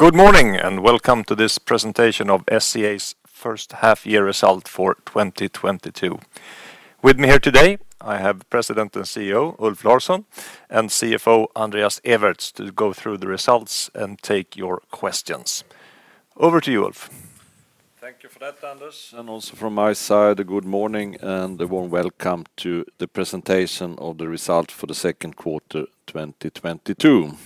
Good morning, and welcome to this presentation of SCA's first half year result for 2022. With me here today, I have President and CEO, Ulf Larsson, and CFO, Andreas Ewertz, to go through the results and take your questions. Over to you, Ulf. Thank you for that, Anders, and also from my side, good morning and a warm welcome to the presentation of the result for the second quarter 2022.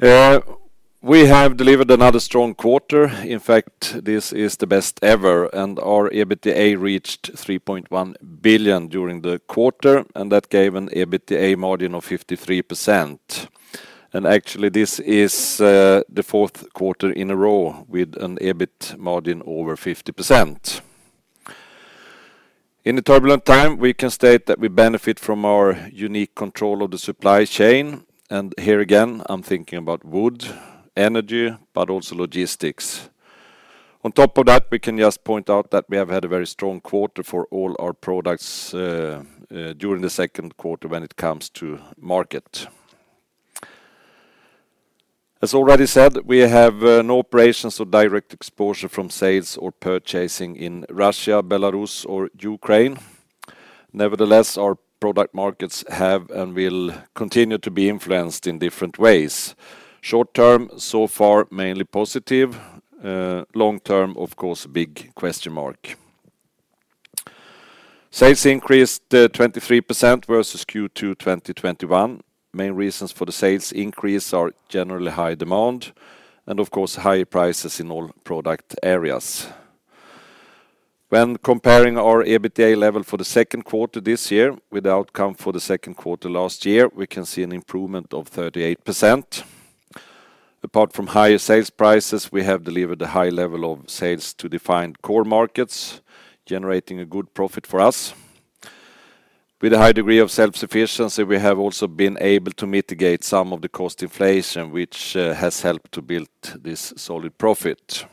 We have delivered another strong quarter. In fact, this is the best ever, and our EBITDA reached 3.1 billion during the quarter, and that gave an EBITDA margin of 53%. Actually, this is the fourth quarter in a row with an EBIT margin over 50%. In a turbulent time, we can state that we benefit from our unique control of the supply chain, and here again, I'm thinking about wood, energy, but also logistics. On top of that, we can just point out that we have had a very strong quarter for all our products during the second quarter when it comes to market. As already said, we have no operations or direct exposure from sales or purchasing in Russia, Belarus, or Ukraine. Nevertheless, our product markets have and will continue to be influenced in different ways. Short-term, so far, mainly positive. Long-term, of course, big question mark. Sales increased 23% versus Q2 2021. Main reasons for the sales increase are generally high demand and of course, higher prices in all product areas. When comparing our EBITDA level for the second quarter this year with the outcome for the second quarter last year, we can see an improvement of 38%. Apart from higher sales prices, we have delivered a high level of sales to defined core markets, generating a good profit for us. With a high degree of self-sufficiency, we have also been able to mitigate some of the cost inflation, which has helped to build this solid profit.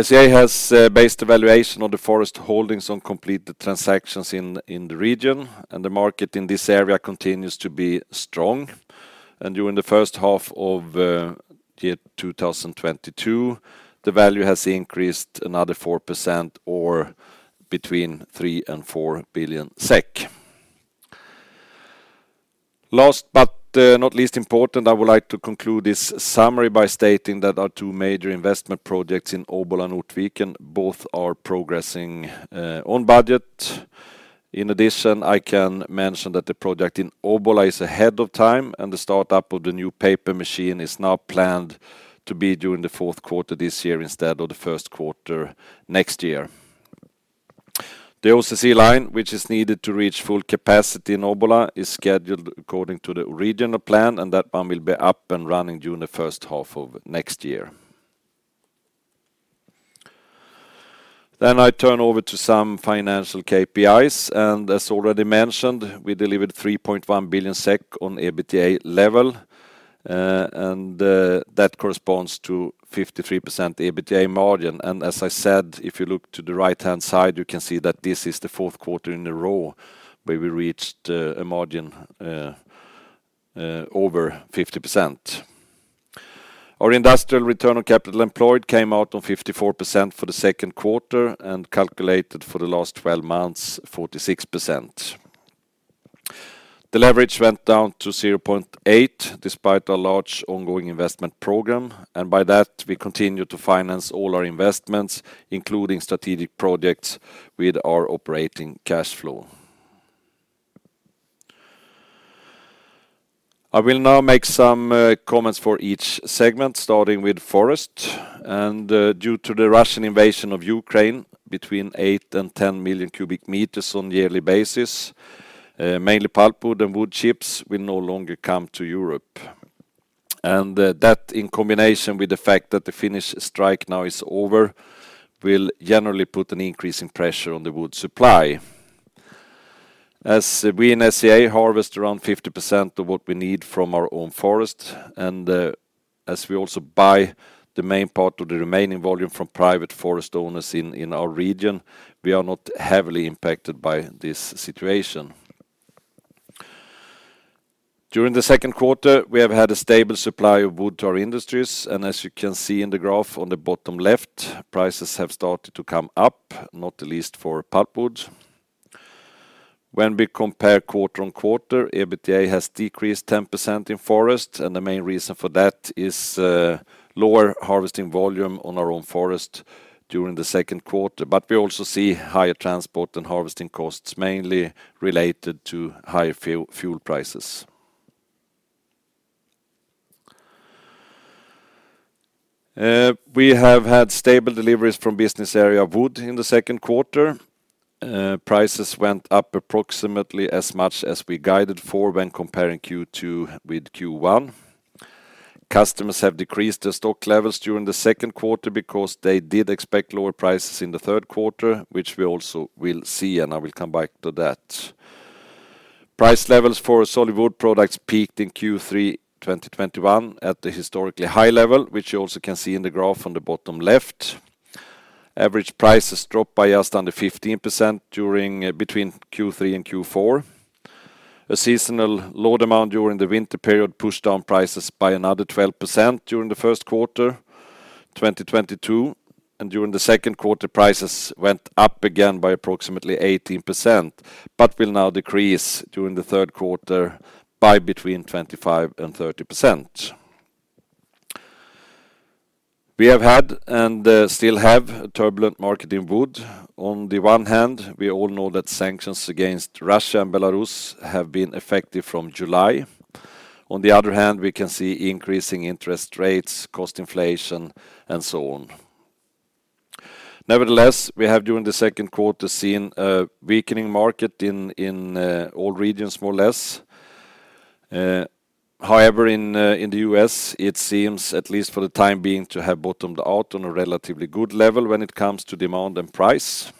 SCA has based the valuation of the forest holdings on completed transactions in the region, and the market in this area continues to be strong. During the first half of 2022, the value has increased another 4% or between 3 billion and 4 billion SEK. Last but not least important, I would like to conclude this summary by stating that our two major investment projects in Obbola and Ortviken both are progressing on budget. In addition, I can mention that the project in Obbola is ahead of time, and the startup of the new paper machine is now planned to be during the fourth quarter this year instead of the first quarter next year. The OCC line, which is needed to reach full capacity in Obbola, is scheduled according to the original plan, and that one will be up and running during the first half of next year. I turn over to some financial KPIs, and as already mentioned, we delivered 3.1 billion SEK on EBITDA level, that corresponds to 53% EBITDA margin. As I said, if you look to the right-hand side, you can see that this is the fourth quarter in a row where we reached a margin over 50%. Our industrial return on capital employed came out on 54% for the second quarter and calculated for the last 12 months, 46%. The leverage went down to 0.8x, despite our large ongoing investment program, and by that, we continue to finance all our investments, including strategic projects with our operating cash flow. I will now make some comments for each segment, starting with forest. Due to the Russian invasion of Ukraine, between 8 million and 10 million cubic meters on yearly basis, mainly pulpwood and wood chips, will no longer come to Europe. That in combination with the fact that the Finnish strike now is over, will generally put an increase in pressure on the wood supply. As we in SCA harvest around 50% of what we need from our own forest, and as we also buy the main part of the remaining volume from private forest owners in our region, we are not heavily impacted by this situation. During the second quarter, we have had a stable supply of wood to our industries, and as you can see in the graph on the bottom left, prices have started to come up, not the least for pulpwood. When we compare quarter-on-quarter, EBITDA has decreased 10% in forest, and the main reason for that is lower harvesting volume on our own forest during the second quarter. We also see higher transport and harvesting costs, mainly related to higher fuel prices. We have had stable deliveries from business area wood in the second quarter. Prices went up approximately as much as we guided for when comparing Q2 with Q1. Customers have decreased their stock levels during the second quarter because they did expect lower prices in the third quarter, which we also will see, and I will come back to that. Price levels for solid wood products peaked in Q3 2021 at the historically high level, which you also can see in the graph on the bottom left. Average prices dropped by just under 15% between Q3 and Q4. A seasonal slowdown during the winter period pushed down prices by another 12% during the first quarter 2022. During the second quarter, prices went up again by approximately 18%, but will now decrease during the third quarter by between 25%-30%. We have had and still have a turbulent market in wood. On the one hand, we all know that sanctions against Russia and Belarus have been effective from July. On the other hand, we can see increasing interest rates, cost inflation, and so on. Nevertheless, we have during the second quarter seen a weakening market in all regions, more or less. However, in the U.S., it seems at least for the time being to have bottomed out on a relatively good level when it comes to demand and price.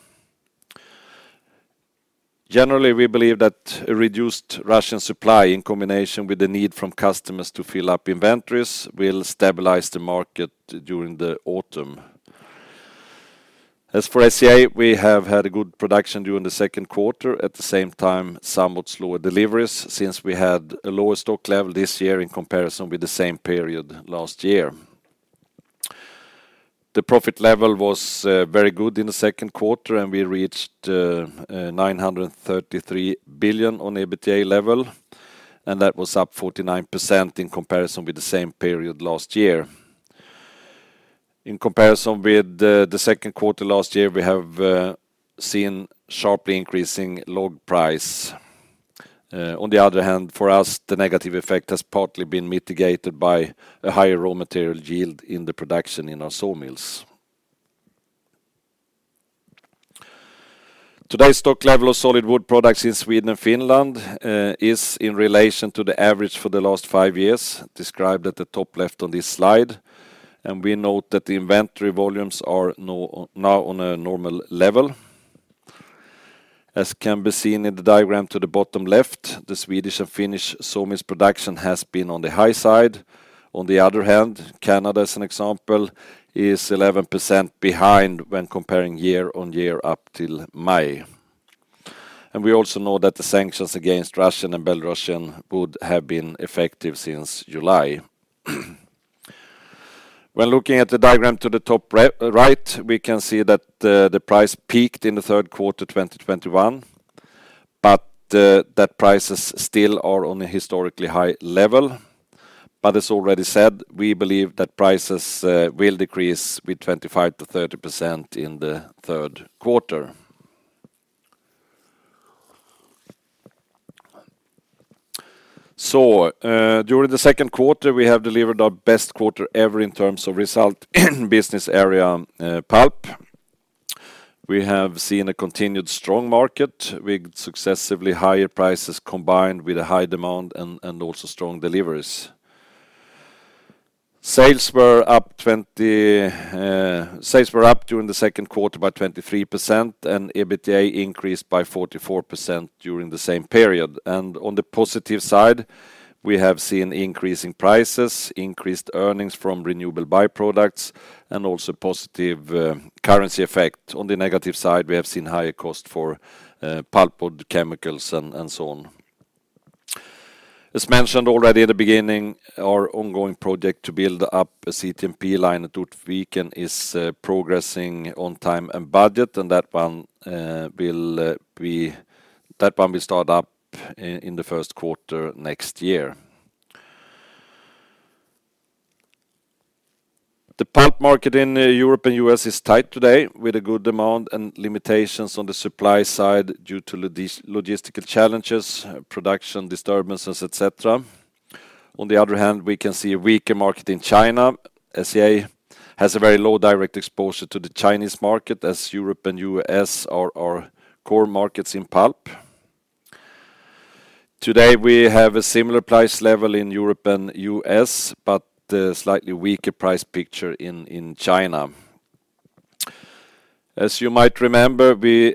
Generally, we believe that a reduced Russian supply in combination with the need from customers to fill up inventories will stabilize the market during the autumn. As for SCA, we have had a good production during the second quarter. At the same time, somewhat slower deliveries since we had a lower stock level this year in comparison with the same period last year. The profit level was very good in the second quarter, and we reached 933 million on EBITDA level, and that was up 49% in comparison with the same period last year. In comparison with the second quarter last year, we have seen sharply increasing log price. On the other hand, for us, the negative effect has partly been mitigated by a higher raw material yield in the production in our sawmills. Today's stock level of solid wood products in Sweden and Finland is in relation to the average for the last five years, described at the top left on this slide, and we note that the inventory volumes are now on a normal level. As can be seen in the diagram to the bottom left, the Swedish and Finnish sawmills production has been on the high side. On the other hand, Canada, as an example, is 11% behind when comparing year-on-year up till May. We also know that the sanctions against Russian and Belarusian wood have been effective since July. When looking at the diagram to the top right, we can see that the price peaked in the third quarter 2021, but that prices still are on a historically high level. As already said, we believe that prices will decrease with 25%-30% in the third quarter. During the second quarter, we have delivered our best quarter ever in terms of result in business area pulp. We have seen a continued strong market with successively higher prices combined with a high demand and also strong deliveries. Sales were up during the second quarter by 23%, and EBITDA increased by 44% during the same period. On the positive side, we have seen increasing prices, increased earnings from renewable byproducts, and also positive currency effect. On the negative side, we have seen higher cost for pulpwood, chemicals, and so on. As mentioned already in the beginning, our ongoing project to build up a CTMP line at Ortviken is progressing on time and budget, and that one will start up in the first quarter next year. The pulp market in Europe and U.S. is tight today with a good demand and limitations on the supply side due to logistical challenges, production disturbances, et cetera. On the other hand, we can see a weaker market in China. SCA has a very low direct exposure to the Chinese market as Europe and U.S. are our core markets in pulp. Today, we have a similar price level in Europe and U.S., but a slightly weaker price picture in China. As you might remember, we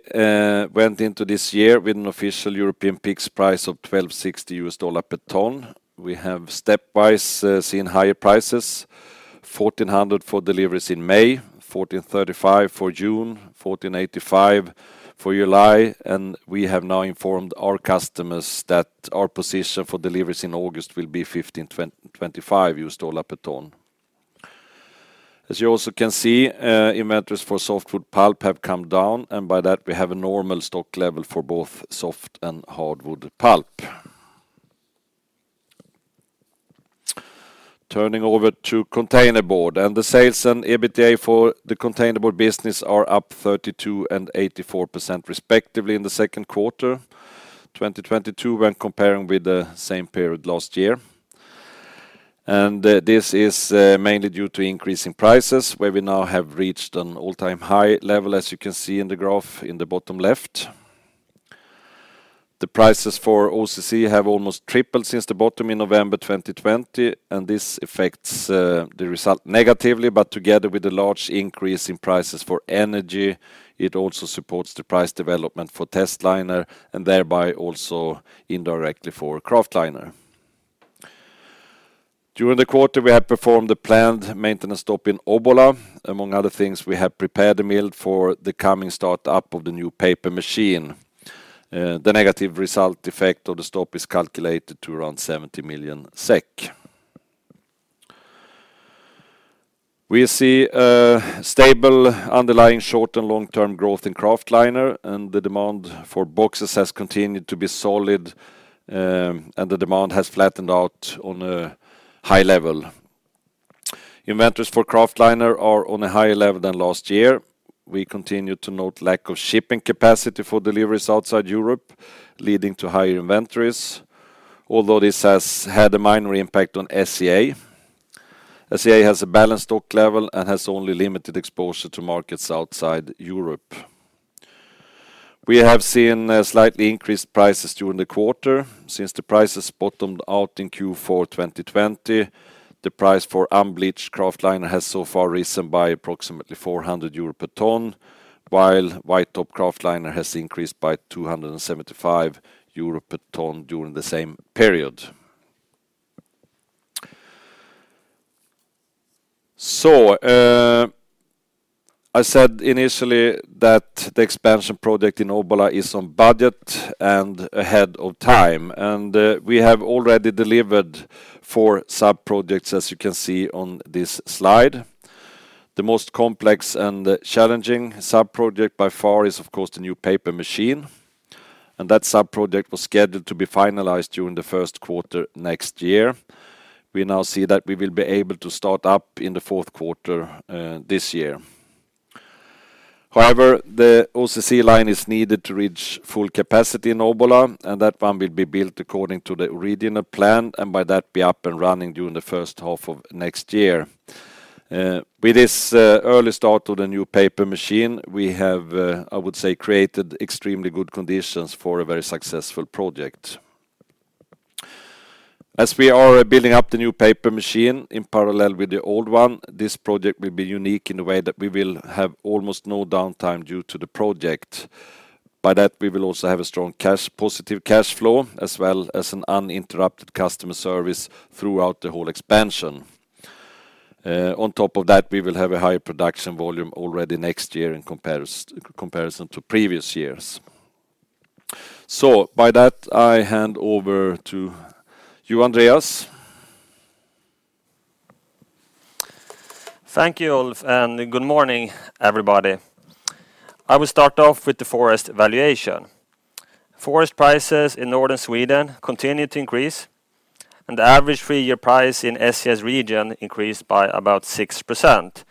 went into this year with an official European NBSK price of $1,260 per ton. We have stepwise seen higher prices, $1,400 for deliveries in May, $1,435 for June, $1,485 for July, and we have now informed our customers that our position for deliveries in August will be $1,525 per ton. As you also can see, inventories for softwood pulp have come down, and by that, we have a normal stock level for both soft and hardwood pulp. Turning over to containerboard, the sales and EBITDA for the containerboard business are up 32% and 84% respectively in the second quarter 2022 when comparing with the same period last year. This is mainly due to increasing prices, where we now have reached an all-time high level, as you can see in the graph in the bottom left. The prices for OCC have almost tripled since the bottom in November 2020, and this affects the result negatively, but together with the large increase in prices for energy, it also supports the price development for testliner and thereby also indirectly for kraftliner. During the quarter, we have performed the planned maintenance stop in Obbola. Among other things, we have prepared the mill for the coming start-up of the new paper machine. The negative result effect of the stop is calculated to around 70 million SEK. We see a stable underlying short and long-term growth in kraftliner, and the demand for boxes has continued to be solid, and the demand has flattened out on a high level. Inventories for kraftliner are on a higher level than last year. We continue to note lack of shipping capacity for deliveries outside Europe, leading to higher inventories, although this has had a minor impact on SCA. SCA has a balanced stock level and has only limited exposure to markets outside Europe. We have seen slightly increased prices during the quarter since the prices bottomed out in Q4 2020. The price for unbleached kraftliner has so far risen by approximately 400 euro per ton, while white top kraftliner has increased by 275 euro per ton during the same period. I said initially that the expansion project in Obbola is on budget and ahead of time, and we have already delivered four sub-projects, as you can see on this slide. The most complex and challenging sub-project by far is, of course, the new paper machine, and that sub-project was scheduled to be finalized during the first quarter next year. We now see that we will be able to start up in the fourth quarter, this year. However, the OCC line is needed to reach full capacity in Obbola, and that one will be built according to the original plan, and by that, be up and running during the first half of next year. With this, early start of the new paper machine, we have, I would say, created extremely good conditions for a very successful project. As we are building up the new paper machine in parallel with the old one, this project will be unique in the way that we will have almost no downtime due to the project. By that, we will also have a strong, positive cash flow, as well as an uninterrupted customer service throughout the whole expansion. On top of that, we will have a higher production volume already next year in comparison to previous years. By that, I hand over to you, Andreas. Thank you, Ulf, and good morning, everybody. I will start off with the forest valuation. Forest prices in Northern Sweden continue to increase, and the average three-year price in SCA's region increased by about 6%,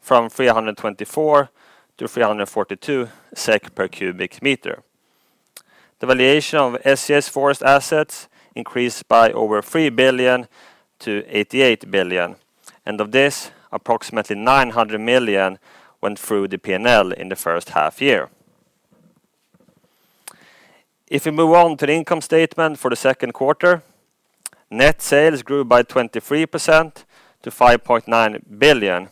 from 324 to 342 SEK per cubic meter. The valuation of SCA's forest assets increased by over 3 billion to 88 billion, and of this, approximately 900 million went through the P&L in the first half year. If we move on to the income statement for the second quarter, net sales grew by 23% to 5.9 billion,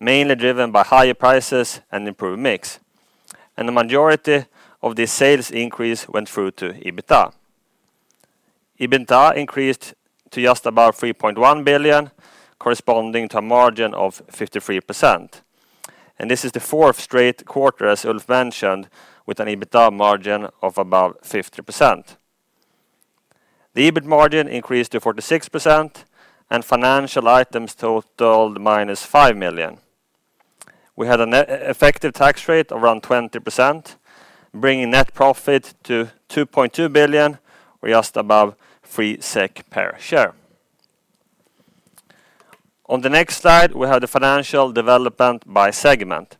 mainly driven by higher prices and improved mix. The majority of the sales increase went through to EBITDA. EBITDA increased to just about 3.1 billion, corresponding to a margin of 53%. This is the fourth straight quarter, as Ulf mentioned, with an EBITDA margin of above 50%. The EBIT margin increased to 46% and financial items totaled -5 million. We had an effective tax rate of around 20%, bringing net profit to 2.2 billion, or just above 3 SEK per share. On the next slide, we have the financial development by segment.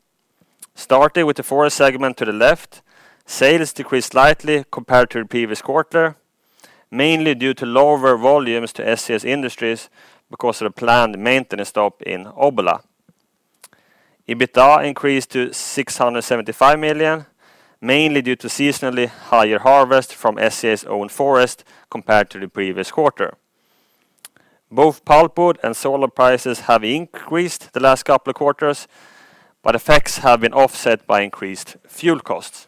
Starting with the forest segment to the left, sales decreased slightly compared to the previous quarter, mainly due to lower volumes to SCA Industries because of the planned maintenance stop in Obbola. EBITDA increased to 675 million, mainly due to seasonally higher harvest from SCA's own forest compared to the previous quarter. Both pulpwood and sawlog prices have increased the last couple of quarters, but effects have been offset by increased fuel costs.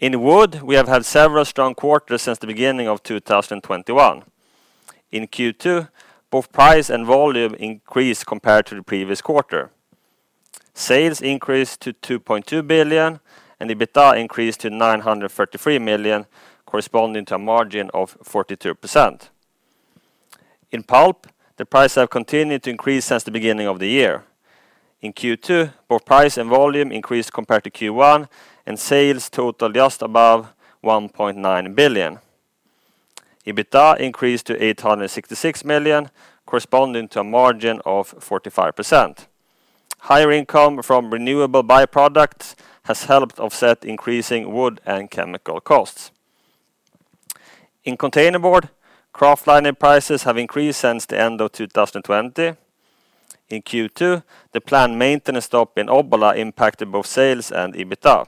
In wood, we have had several strong quarters since the beginning of 2021. In Q2, both price and volume increased compared to the previous quarter. Sales increased to 2.2 billion and EBITDA increased to 933 million, corresponding to a margin of 42%. In pulp, the price have continued to increase since the beginning of the year. In Q2, both price and volume increased compared to Q1, and sales totaled just above 1.9 billion. EBITDA increased to 866 million, corresponding to a margin of 45%. Higher income from renewable by-products has helped offset increasing wood and chemical costs. In containerboard, kraftliner prices have increased since the end of 2020. In Q2, the planned maintenance stop in Obbola impacted both sales and EBITDA.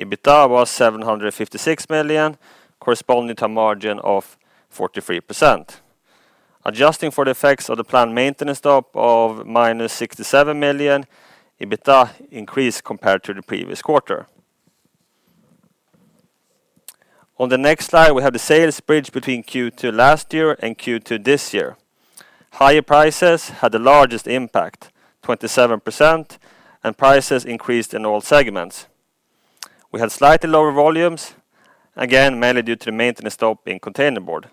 EBITDA was 756 million, corresponding to a margin of 43%. Adjusting for the effects of the planned maintenance stop of -67 million, EBITDA increased compared to the previous quarter. On the next slide, we have the sales bridge between Q2 last year and Q2 this year. Higher prices had the largest impact, 27%, and prices increased in all segments. We had slightly lower volumes, again, mainly due to maintenance stop in container board.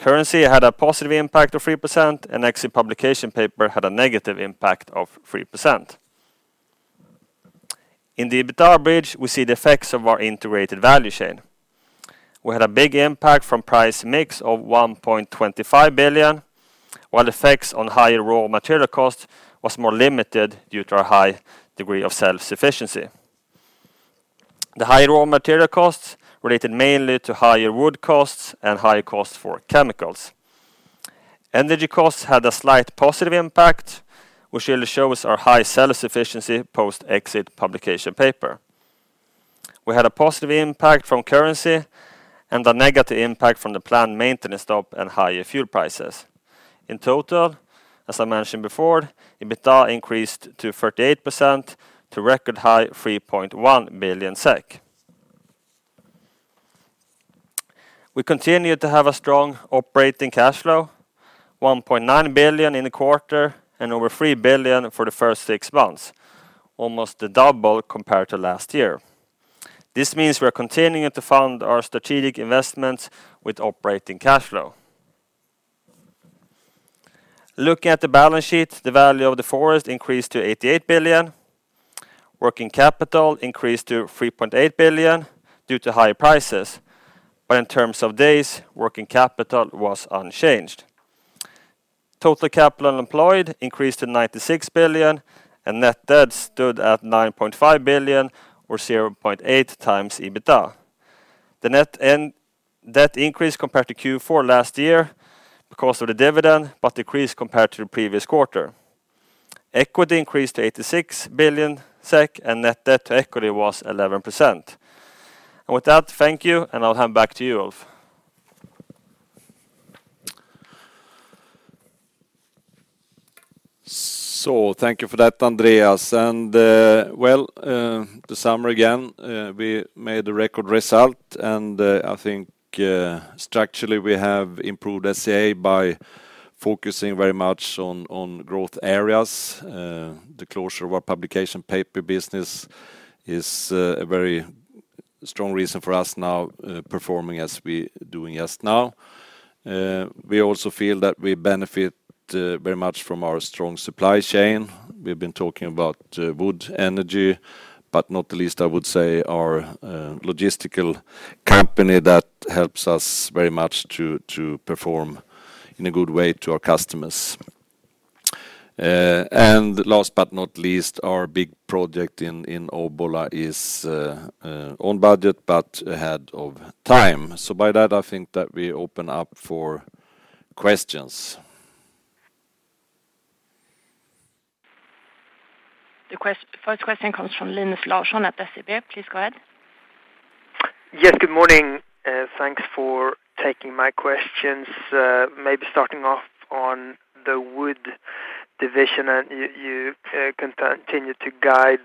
Currency had a positive impact of 3%, and exit publication paper had a negative impact of 3%. In the EBITDA bridge, we see the effects of our integrated value chain. We had a big impact from price mix of 1.25 billion, while effects on higher raw material cost was more limited due to our high degree of self-sufficiency. The higher raw material costs related mainly to higher wood costs and higher costs for chemicals. Energy costs had a slight positive impact, which really shows our high self-sufficiency post-exit publication paper. We had a positive impact from currency and a negative impact from the planned maintenance stop and higher fuel prices. In total, as I mentioned before, EBITDA increased 38% to record high 3.1 billion SEK. We continue to have a strong operating cash flow, 1.9 billion in the quarter, and over 3 billion for the first six months, almost double compared to last year. This means we're continuing to fund our strategic investments with operating cash flow. Looking at the balance sheet, the value of the forest increased to 88 billion. Working capital increased to 3.8 billion due to higher prices, but in terms of days, working capital was unchanged. Total capital employed increased to 96 billion, and net debt stood at 9.5 billion or 0.8x EBITDA. The net debt increase compared to Q4 last year because of the dividend, but decreased compared to the previous quarter. Equity increased to 86 billion SEK, and net debt to equity was 11%. With that, thank you, and I'll hand back to you, Ulf. Thank you for that, Andreas. This summer again, we made a record result and, I think, structurally, we have improved SCA by focusing very much on growth areas. The closure of our publication paper business is a very strong reason for us now performing as we're doing now. We also feel that we benefit very much from our strong supply chain. We've been talking about wood, energy, but not least, I would say, our logistical company that helps us very much to perform in a good way to our customers. Last but not least, our big project in Obbola is on budget, but ahead of time. By that, I think that we open up for questions. The first question comes from Linus Larsson at SEB. Please go ahead. Yes, good morning. Thanks for taking my questions. Maybe starting off on the wood division, and you continue to guide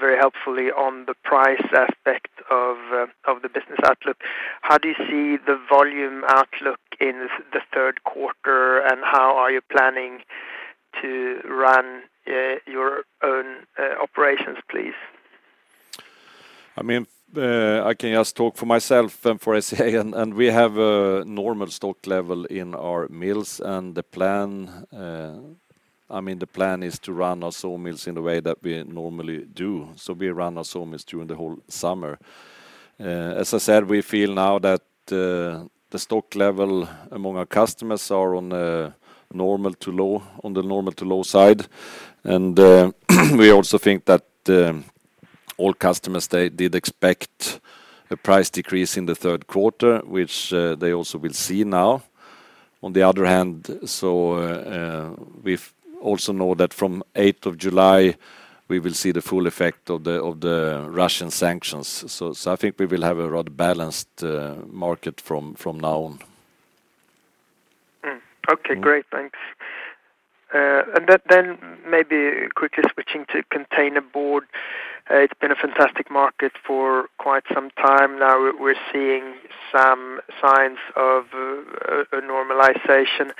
very helpfully on the price aspect of the business outlook. How do you see the volume outlook in the third quarter, and how are you planning to run your own operations, please? I mean, I can just talk for myself and for SCA, and we have a normal stock level in our mills. The plan, I mean, the plan is to run our sawmills in the way that we normally do. We run our sawmills during the whole summer. As I said, we feel now that the stock level among our customers are on the normal to low side. We also think that all customers, they did expect a price decrease in the third quarter, which they also will see now. On the other hand, we've also known that from 8th of July, we will see the full effect of the Russian sanctions. I think we will have a rather balanced market from now on. Okay, great. Mm-hmm. Thanks. Maybe quickly switching to containerboard. It's been a fantastic market for quite some time now. We're seeing some signs of a normalization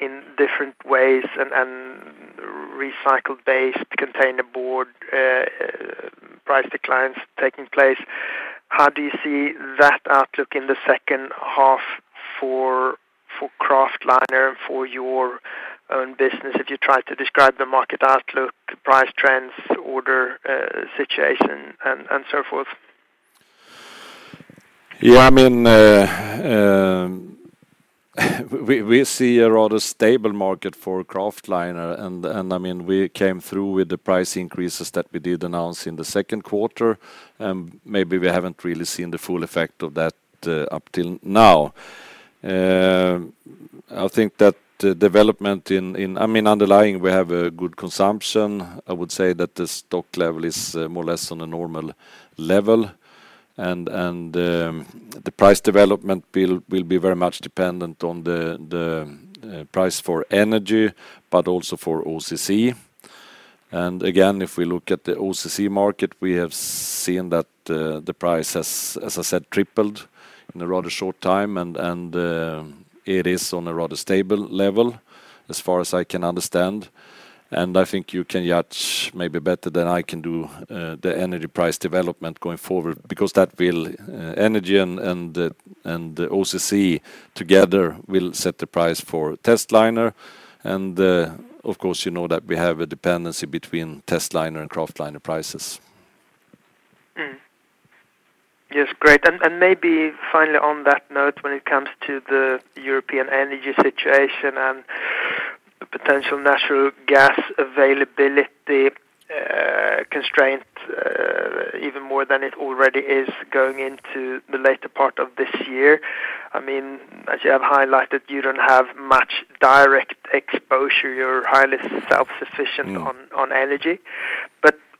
in different ways and recycled-based containerboard price declines taking place. How do you see that outlook in the second half for kraftliner, for your own business? If you try to describe the market outlook, price trends, order situation, and so forth. Yeah, I mean, we see a rather stable market for kraftliner. I mean, we came through with the price increases that we did announce in the second quarter, and maybe we haven't really seen the full effect of that, up till now. I think that the development, I mean, underlying, we have a good consumption. I would say that the stock level is more or less on a normal level. The price development will be very much dependent on the price for energy, but also for OCC. Again, if we look at the OCC market, we have seen that the price has, as I said, tripled in a rather short time. It is on a rather stable level as far as I can understand. I think you can judge maybe better than I can do the energy price development going forward, because energy and OCC together will set the price for testliner. Of course, you know that we have a dependency between testliner and kraftliner prices. Maybe finally on that note, when it comes to the European energy situation and the potential natural gas availability constraint, even more than it already is going into the later part of this year, I mean, as you have highlighted, you don't have much direct exposure. You're highly self-sufficient- Mm.... on energy.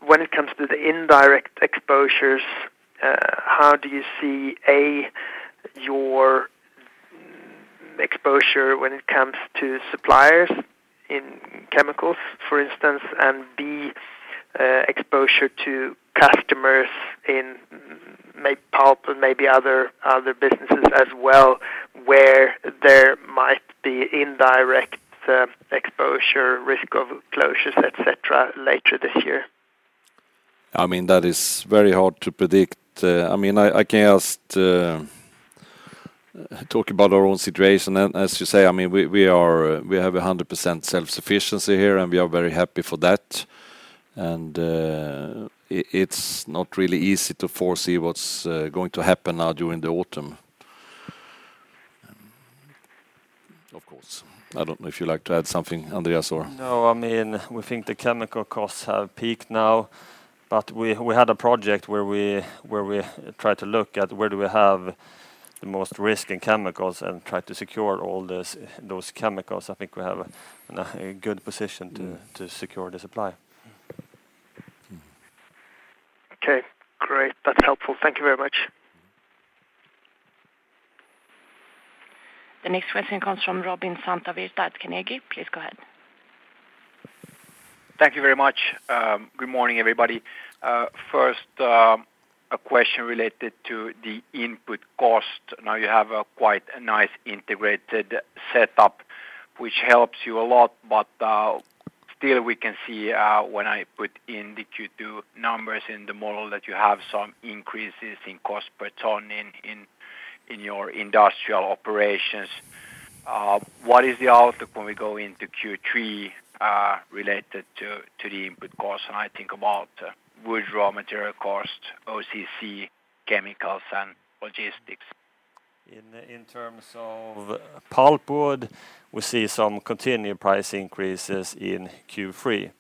When it comes to the indirect exposures, how do you see, A, your exposure when it comes to suppliers in chemicals, for instance, and B, exposure to customers in maybe pulp and maybe other businesses as well, where there might be indirect exposure, risk of closures, et cetera, later this year? I mean, that is very hard to predict. I mean, I can just talk about our own situation. As you say, I mean, we are, we have 100% self-sufficiency here, and we are very happy for that. It's not really easy to foresee what's going to happen now during the autumn. Of course, I don't know if you'd like to add something, Andreas, or? No, I mean, we think the chemical costs have peaked now, but we had a project where we tried to look at where do we have the most risk in chemicals and try to secure all this, those chemicals. I think we have a good position to- Mm.... to secure the supply. Mm-hmm. Okay, great. That's helpful. Thank you very much. Mm-hmm. The next question comes from Robin Santavirta at Carnegie. Please go ahead. Thank you very much. Good morning, everybody. First, a question related to the input cost. Now you have quite a nice integrated setup, which helps you a lot, but still we can see, when I put in the Q2 numbers in the model that you have some increases in cost per ton in your industrial operations. What is the outlook when we go into Q3, related to the input cost? I think about wood raw material cost, OCC, chemicals, and logistics. In terms of pulpwood, we see some continued price increases in Q3.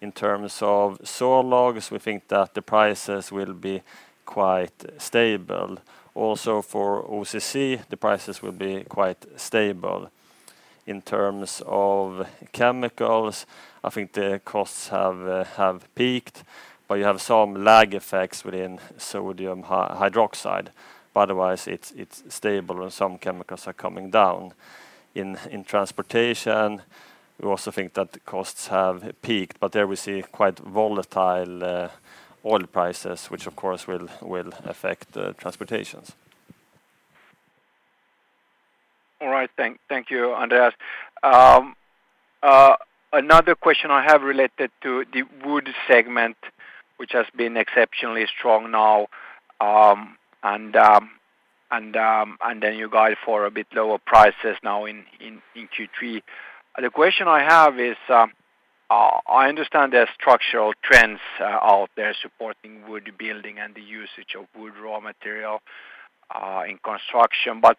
In terms of sawlogs, we think that the prices will be quite stable. Also, for OCC, the prices will be quite stable. In terms of chemicals, I think the costs have peaked, but you have some lag effects within sodium hydroxide. Otherwise it's stable, and some chemicals are coming down. In transportation, we also think that the costs have peaked, but there we see quite volatile oil prices, which of course will affect the transportation. All right. Thank you, Andreas. Another question I have related to the wood segment, which has been exceptionally strong now, and then you guide for a bit lower prices now in Q3. The question I have is, I understand there are structural trends out there supporting wood building and the usage of wood raw material in construction, but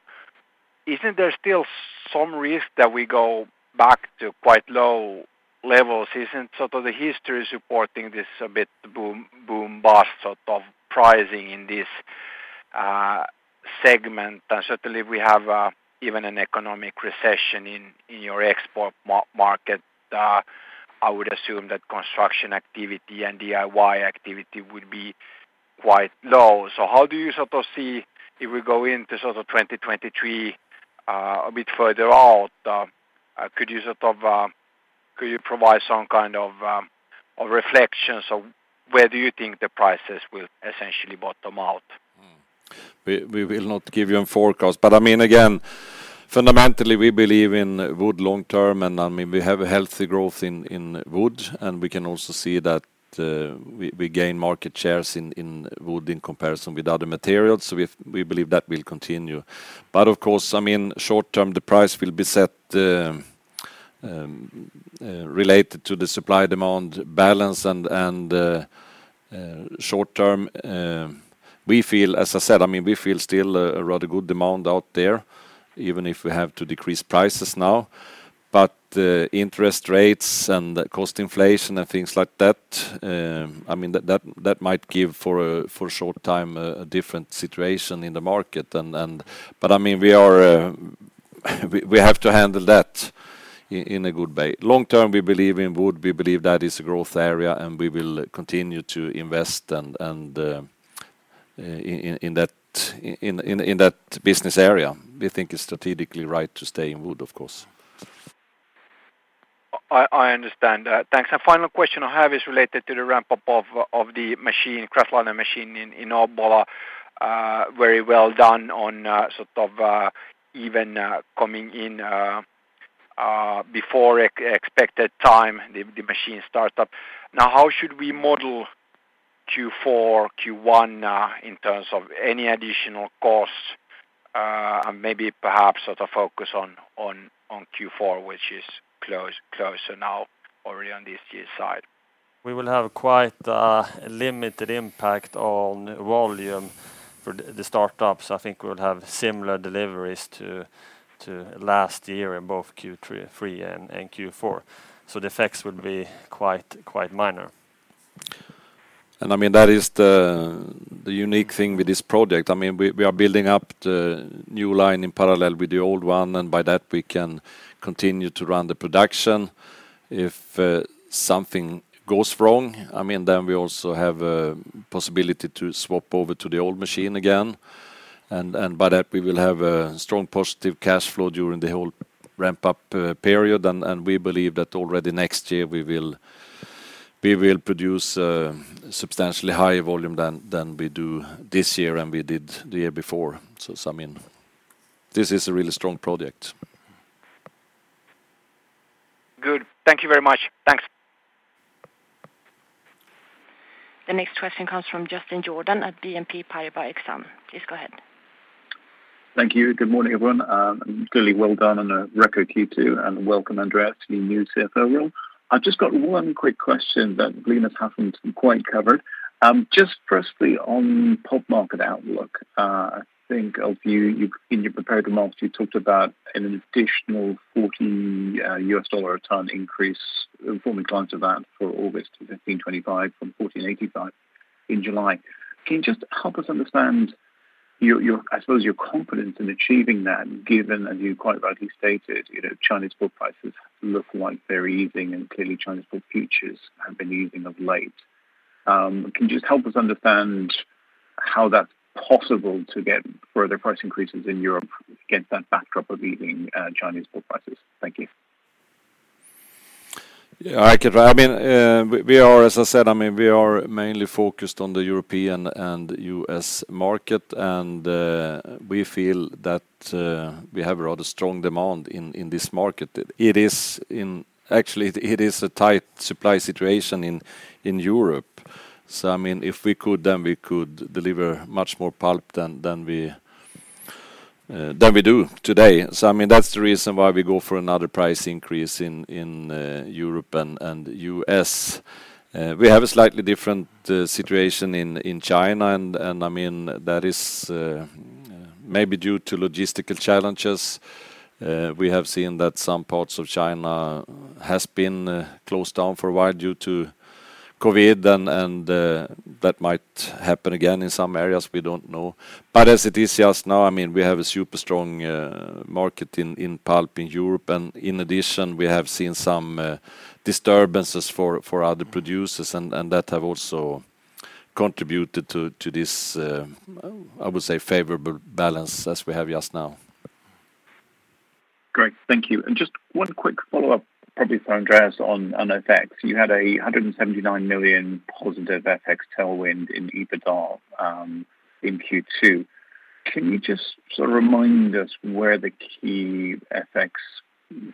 isn't there still some risk that we go back to quite low levels? Isn't sort of the history supporting this a bit boom-bust sort of pricing in this segment? Certainly we have even an economic recession in your export market. I would assume that construction activity and DIY activity would be quite low. How do you sort of see if we go into sort of 2023, a bit further out? Could you sort of provide some kind of reflections on where do you think the prices will essentially bottom out? We will not give you a forecast, but I mean, again, fundamentally, we believe in wood long-term, and I mean we have a healthy growth in wood, and we can also see that we gain market shares in wood in comparison with other materials. We believe that will continue. Of course, I mean, short-term the price will be set related to the supply-demand balance and short-term we feel, as I said, I mean, still a rather good demand out there even if we have to decrease prices now. Interest rates and cost inflation and things like that, I mean, that might give for a short time a different situation in the market. I mean, we have to handle that in a good way. Long-term, we believe in wood. We believe that is a growth area, and we will continue to invest in that business area. We think it's strategically right to stay in wood, of course. I understand that. Thanks. Final question I have is related to the ramp up of the machine, kraftliner machine in Obbola. Very well done on sort of even coming in before expected time the machine start up. Now, how should we model Q4, Q1 in terms of any additional costs, and maybe perhaps sort of focus on Q4, which is closer now already on this year's side? We will have quite limited impact on volume for the start up, so I think we'll have similar deliveries to last year in both Q3 and Q4. The effects would be quite minor. I mean, that is the unique thing with this project. I mean, we are building up the new line in parallel with the old one, and by that we can continue to run the production. If something goes wrong, I mean, then we also have a possibility to swap over to the old machine again. By that, we will have a strong positive cash flow during the whole ramp up period. We believe that already next year we will produce substantially higher volume than we do this year and we did the year before. I mean, this is a really strong project. Good. Thank you very much. Thanks. The next question comes from Justin Jordan at BNP Paribas Exane. Please go ahead. Thank you. Good morning, everyone. Clearly well done on a record Q2, and welcome Andreas Ewertz to the new CFO role. I've just got one quick question that Linus Larsson has just covered. Just firstly on pulp market outlook, I think you've in your prepared remarks, you talked about an additional $40 a ton increase, forward guidance of that for August $1,525 from $1,485 in July. Can you just help us understand your, I suppose, your confidence in achieving that, given, as you quite rightly stated, you know, Chinese pulp prices look like they're easing, and clearly Chinese pulp futures have been easing of late. Can you just help us understand how that's possible to get further price increases in Europe against that backdrop of easing Chinese pulp prices? Thank you. Yeah, I can try. I mean, we are, as I said, I mean, we are mainly focused on the European and U.S. market, and we feel that we have a rather strong demand in this market. Actually, it is a tight supply situation in Europe. I mean, if we could, then we could deliver much more pulp than we do today. I mean, that's the reason why we go for another price increase in Europe and U.S. We have a slightly different situation in China, and I mean, that is maybe due to logistical challenges. We have seen that some parts of China has been closed down for a while due to COVID, and that might happen again in some areas. We don't know. As it is just now, I mean, we have a super strong market in pulp in Europe. In addition, we have seen some disturbances for other producers and that have also contributed to this, I would say, favorable balance as we have just now. Great. Thank you. Just one quick follow-up probably for Andreas on FX. You had 179 million positive FX tailwind in EBITDA in Q2. Can you just sort of remind us where the key FX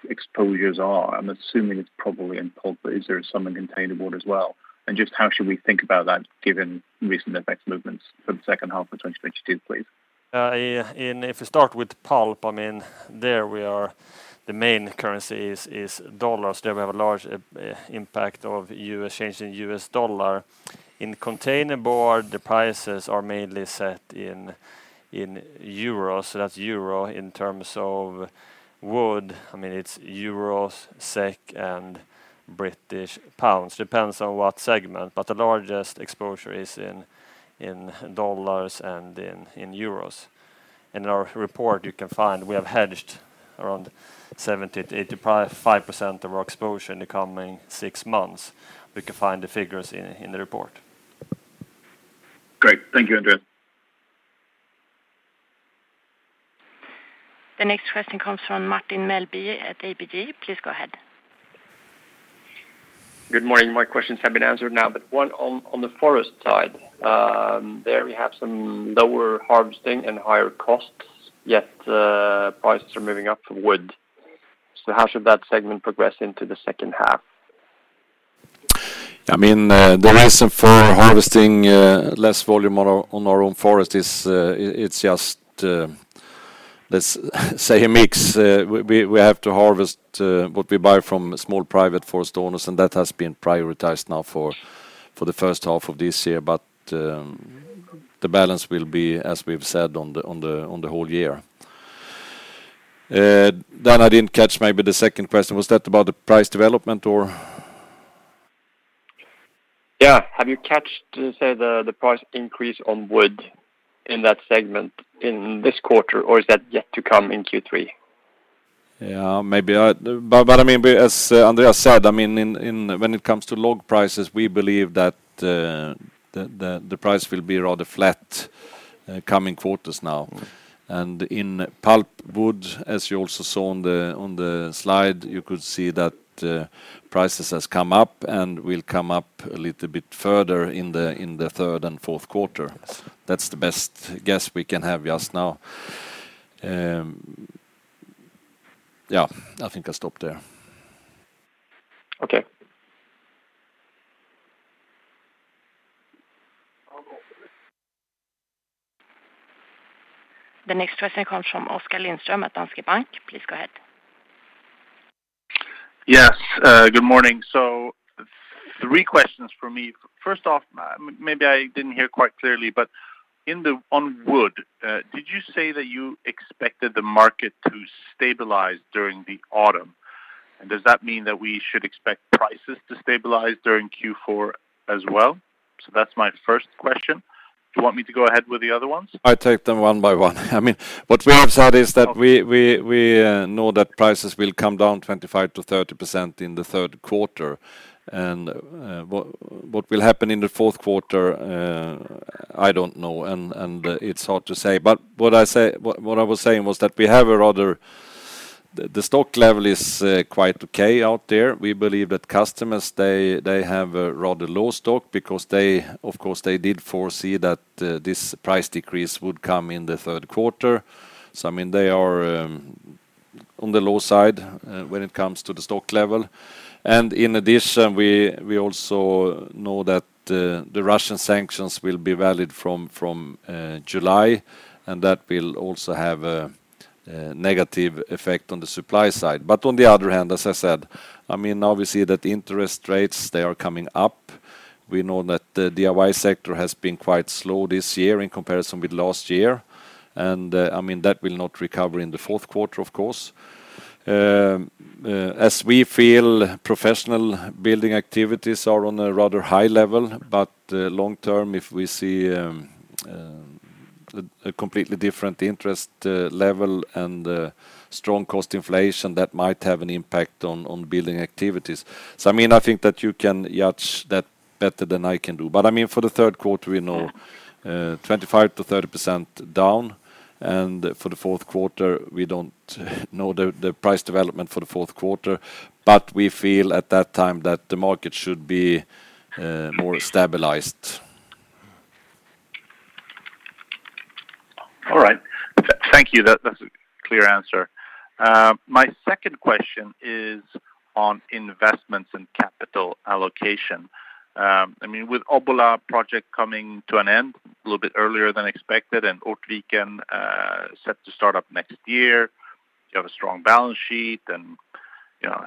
exposures are? I'm assuming it's probably in pulp, but is there some in containerboard as well? And just how should we think about that given recent FX movements for the second half of 2022, please? If you start with pulp, I mean, there we are, the main currency is dollars. There we have a large impact of change in US dollar. In containerboard, the prices are mainly set in euros, so that's euro. In terms of wood, I mean, it's euros, SEK, and British pounds. Depends on what segment, but the largest exposure is in dollars and in euros. In our report, you can find we have hedged around 70%-85% of our exposure in the coming six months. We can find the figures in the report. Great. Thank you, Andreas. The next question comes from Martin Melbye at ABG. Please go ahead. Good morning. My questions have been answered now, but one on the forest side. There we have some lower harvesting and higher costs, yet prices are moving up for wood. How should that segment progress into the second half? I mean, the reason for harvesting less volume on our own forest is, it's just, let's say a mix. We have to harvest what we buy from small private forest owners, and that has been prioritized now for the first half of this year. The balance will be as we've said on the whole year. I didn't catch maybe the second question. Was that about the price development or? Yeah Have you caught, say, the price increase on wood in that segment in this quarter, or is that yet to come in Q3? Yeah, maybe. But I mean, as Andreas said, I mean, in when it comes to log prices, we believe that the price will be rather flat coming quarters now. In pulpwood, as you also saw on the slide, you could see that prices has come up and will come up a little bit further in the third and fourth quarter. That's the best guess we can have just now. Yeah, I think I'll stop there. Okay. The next question comes from Oskar Lindström at Danske Bank. Please go ahead. Yes, good morning. Three questions for me. First off, maybe I didn't hear quite clearly, but on wood, did you say that you expected the market to stabilize during the autumn? And does that mean that we should expect prices to stabilize during Q4 as well? That's my first question. Do you want me to go ahead with the other ones? I take them one by one. I mean, what we have said is that we know that prices will come down 25%-30% in the third quarter. What will happen in the fourth quarter? I don't know. It's hard to say, but what I was saying was that we have a rather. The stock level is quite okay out there. We believe that customers, they have a rather low stock because they, of course, did foresee that this price decrease would come in the third quarter. I mean, they are on the low side when it comes to the stock level. In addition, we also know that the Russian sanctions will be valid from July, and that will also have a negative effect on the supply side. On the other hand, as I said, I mean, obviously that interest rates, they are coming up. We know that the DIY sector has been quite slow this year in comparison with last year. I mean, that will not recover in the fourth quarter, of course. As we feel professional building activities are on a rather high level. Long-term, if we see a completely different interest level and strong cost inflation, that might have an impact on building activities. I mean, I think that you can judge that better than I can do. I mean, for the third quarter, we know 25%-30% down, and for the fourth quarter, we don't know the price development for the fourth quarter, but we feel at that time that the market should be more stabilized. All right. Thank you. That's a clear answer. My second question is on investments and capital allocation. I mean, with Obbola project coming to an end a little bit earlier than expected, and Ortviken set to start up next year, you have a strong balance sheet and, you know,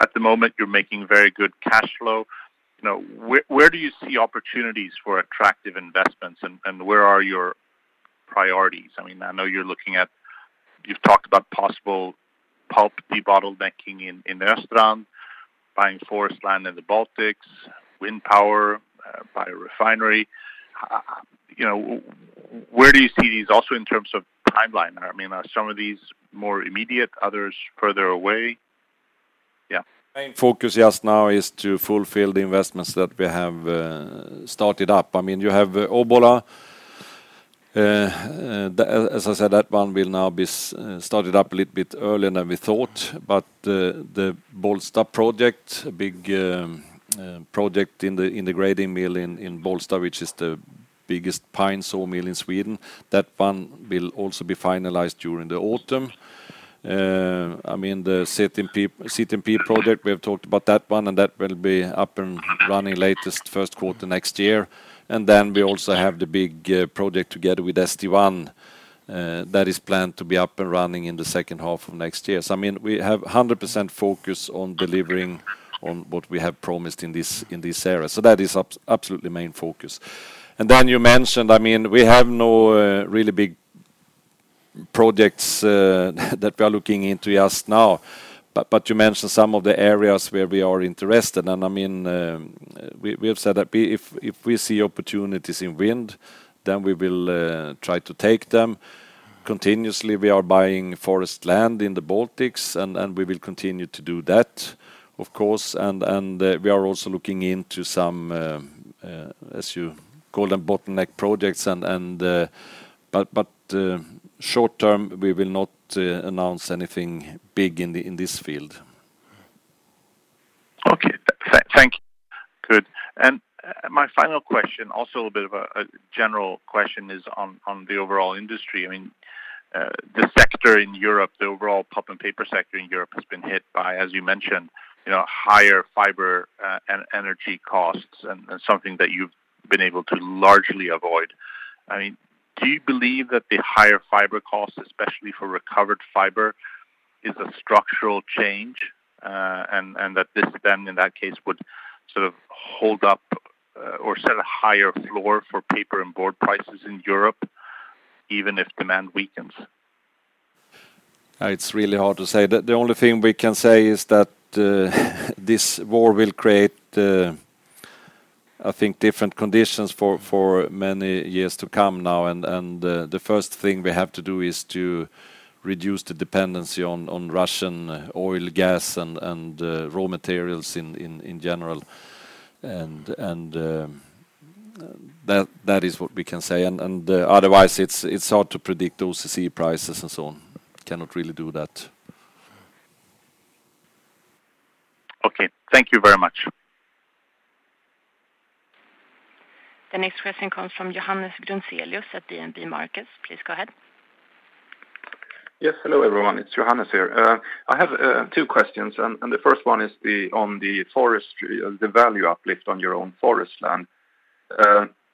at the moment you're making very good cash flow. You know, where do you see opportunities for attractive investments and where are your priorities? I mean, I know you're looking at you've talked about possible pulp debottlenecking in Östrand, buying forest land in the Baltics, wind power, biorefinery. You know, where do you see these also in terms of timeline? I mean, are some of these more immediate, others further away? Yeah. Main focus just now is to fulfill the investments that we have started up. I mean, you have Obbola, as I said, that one will now be started up a little bit earlier than we thought. The Bollsta project, a big project in the integrated mill in Bollsta, which is the biggest pine saw mill in Sweden, that one will also be finalized during the autumn. I mean, the CTMP project, we have talked about that one, and that will be up and running latest first quarter next year. Then we also have the big project together with St1, that is planned to be up and running in the second half of next year. I mean, we have 100% focus on delivering on what we have promised in this area. That is absolutely main focus. Then you mentioned, I mean, we have no really big projects that we are looking into just now, but you mentioned some of the areas where we are interested and I mean, we have said that if we see opportunities in wind, then we will try to take them. Continuously, we are buying forest land in the Baltics and we will continue to do that, of course. We are also looking into some, as you call them, bottleneck projects and. Short-term, we will not announce anything big in this field. Okay. Thank you. Good. My final question, also a bit of a general question, is on the overall industry. I mean, the sector in Europe, the overall pulp and paper sector in Europe has been hit by, as you mentioned, you know, higher fiber and energy costs and something that you've been able to largely avoid. I mean, do you believe that the higher fiber costs, especially for recovered fiber, is a structural change, and that this then in that case would sort of hold up or set a higher floor for paper and board prices in Europe, even if demand weakens? It's really hard to say. The only thing we can say is that this war will create I think different conditions for many years to come now. The first thing we have to do is to reduce the dependency on Russian oil, gas, and raw materials in general. That is what we can say. Otherwise it's hard to predict OCC prices and so on. Cannot really do that. Okay, thank you very much. The next question comes from Johannes Grunselius at DNB Markets. Please go ahead. Yes. Hello, everyone. It's Johannes Grunselius here. I have two questions, and the first one is on the forestry, the value uplift on your own forest land,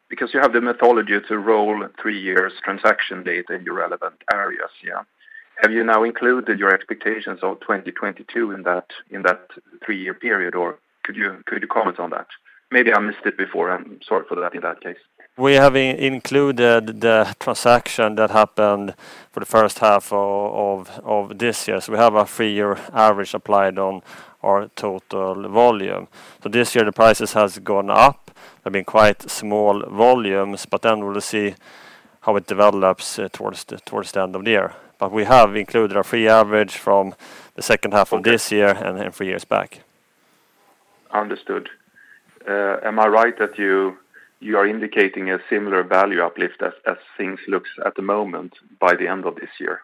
because you have the methodology to roll three years transaction data in your relevant areas, yeah? Have you now included your expectations of 2022 in that three-year period, or could you comment on that? Maybe I missed it before. I'm sorry for that in that case. We have included the transaction that happened for the first half of this year. We have a three-year average applied on our total volume. This year the prices has gone up. There've been quite small volumes, but then we'll see how it develops towards the end of the year. We have included our three-year average from the second half of this year. Okay. Three years back. Understood. Am I right that you are indicating a similar value uplift as things look at the moment by the end of this year?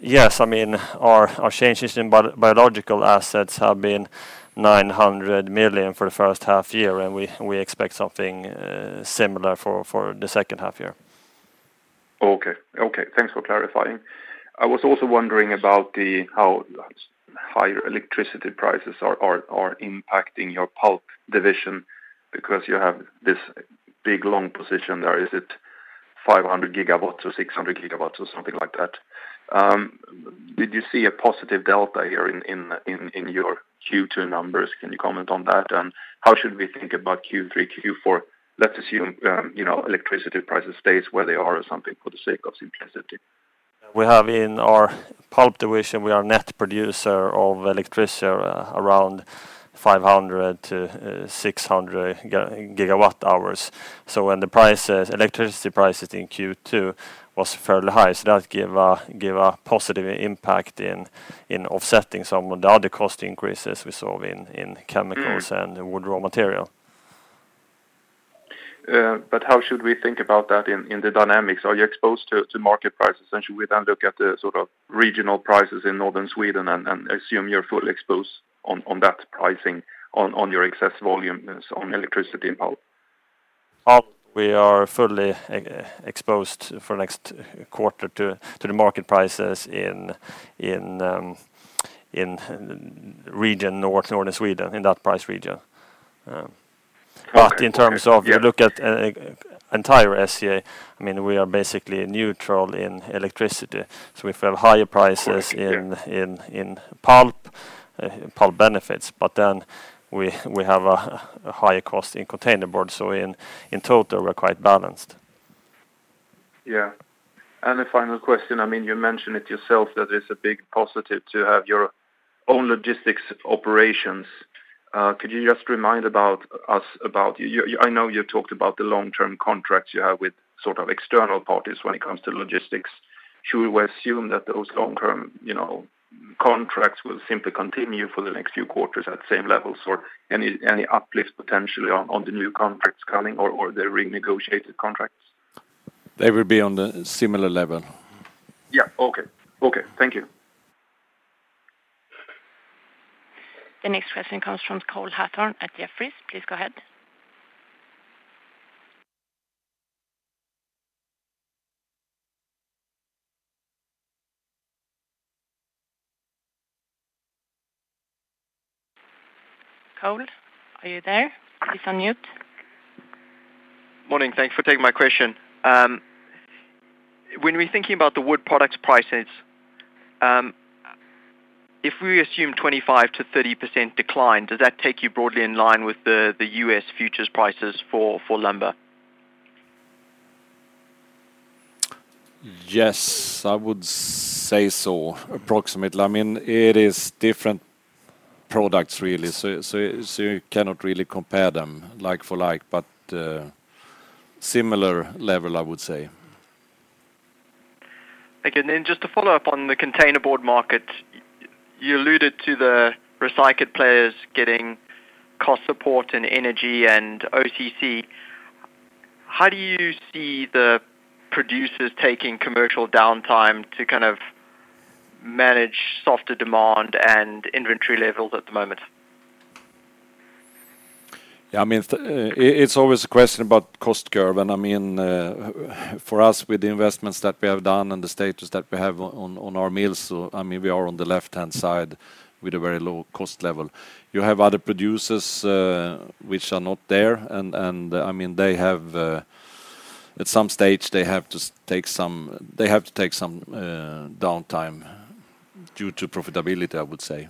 Yes. I mean, our changes in biological assets have been 900 million for the first half year, and we expect something similar for the second half year. Okay, thanks for clarifying. I was also wondering about how high your electricity prices are impacting your pulp division because you have this big long position there. Is it 500 GW or 600 GW or something like that? Did you see a positive delta here in your Q2 numbers? Can you comment on that? How should we think about Q3, Q4? Let's assume, you know, electricity prices stays where they are or something for the sake of simplicity. We have in our pulp division, we are net producer of electricity, around 500 GWh-600 GWh. When the electricity prices in Q2 was fairly high, that gives a positive impact in offsetting some of the other cost increases we saw in chemicals- Mm-hmm.... wood raw material. How should we think about that in the dynamics? Are you exposed to market prices? Should we then look at the sort of regional prices in Northern Sweden and assume you're fully exposed on that pricing on your excess volume, so on electricity and pulp? Pulp, we are fully exposed for next quarter to the market prices in region North, Northern Sweden, in that price region. Okay. In terms of. Yeah. You look at entire SCA, I mean, we are basically neutral in electricity, so if we have higher prices. Okay. Yeah. In pulp benefits, but then we have a higher cost in containerboard, so in total we're quite balanced. Yeah. A final question. I mean, you mentioned it yourself that it's a big positive to have your own logistics operations. Could you just remind us about. I know you talked about the long-term contracts you have with sort of external parties when it comes to logistics. Should we assume that those long-term, you know, contracts will simply continue for the next few quarters at same levels? Or any uplift potentially on the new contracts coming or the renegotiated contracts? They will be on the similar level. Yeah. Okay. Okay, thank you. The next question comes from Cole Hathorn at Jefferies. Please go ahead. Cole, are you there? Please unmute. Morning. Thanks for taking my question. When we're thinking about the wood products prices, if we assume 25%-30% decline, does that take you broadly in line with the U.S. futures prices for lumber? Yes, I would say so, approximately. I mean, it is different products really, so you cannot really compare them like for like, but similar level, I would say. Okay. Just to follow up on the containerboard market, you alluded to the recycled players getting cost support and energy and OCC. How do you see the producers taking commercial downtime to kind of manage softer demand and inventory levels at the moment? Yeah, I mean, it's always a question about cost curve, and I mean, for us with the investments that we have done and the status that we have on our mills, so I mean, we are on the left-hand side with a very low cost level. You have other producers, which are not there and, I mean, they have. At some stage, they have to take some downtime due to profitability, I would say.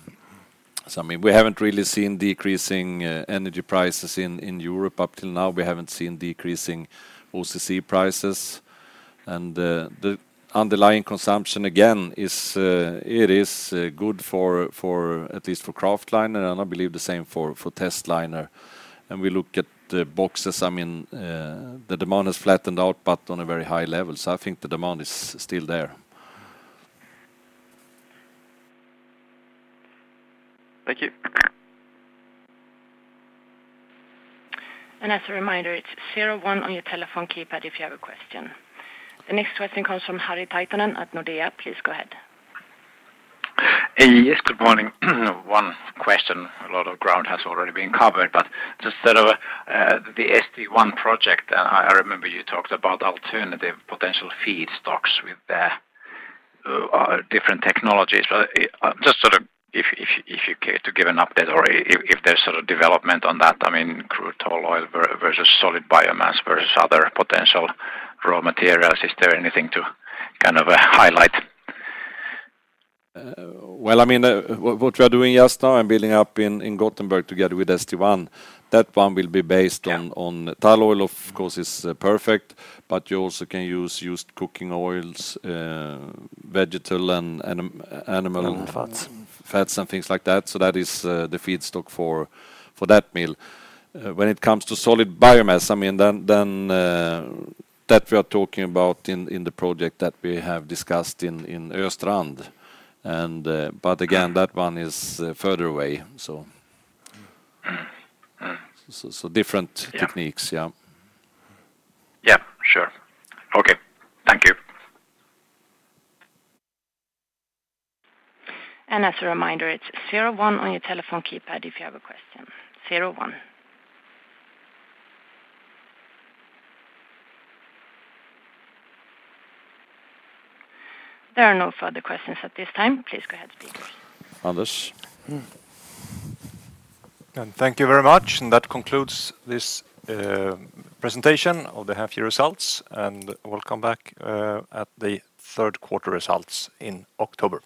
I mean, we haven't really seen decreasing energy prices in Europe up till now. We haven't seen decreasing OCC prices. The underlying consumption again is good for at least kraftliner, and I believe the same for testliner. We look at the boxes, I mean, the demand has flattened out, but on a very high level. I think the demand is still there. Thank you. As a reminder, it's zero one on your telephone keypad if you have a question. The next question comes from Harri Taittonen at Nordea. Please go ahead. Yes, good morning. One question, a lot of ground has already been covered, but just sort of the St1 project. I remember you talked about alternative potential feedstocks with the different technologies. Just sort of if you care to give an update or if there's sort of development on that, I mean, crude tall oil versus solid biomass versus other potential raw materials. Is there anything to kind of highlight? Well, I mean, what we are doing just now and building up in Gothenburg together with St1, that one will be based- Yeah.... on tall oil, of course, is perfect, but you also can use used cooking oils, vegetable and animal- Fats. ... fats and things like that. That is the feedstock for that mill. When it comes to solid biomass, I mean, then that we are talking about in the project that we have discussed in Östrand. Again, that one is further away, so. Mm-hmm. Mm-hmm. So, so different- Yeah.... techniques. Yeah. Yeah. Sure. Okay. Thank you. As a reminder, it's zero one on your telephone keypad if you have a question. Zero one. There are no further questions at this time. Please go ahead, speakers. Anders. Thank you very much. That concludes this presentation of the half-year results. We'll come back at the third quarter results in October.